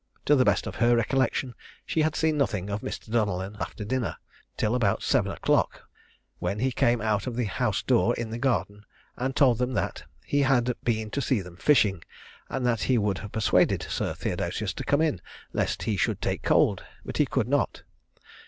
To the best of her recollection she had seen nothing of Mr. Donellan after dinner till about seven o'clock, when he came out of the house door in the garden, and told them that "he had been to see them fishing, and that he would have persuaded Sir Theodosius to come in, lest he should take cold, but he could not."